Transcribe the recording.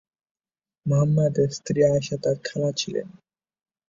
মুহাম্মদ এর স্ত্রী আয়েশা তার খালা ছিলেন।